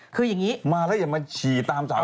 คือยังงี้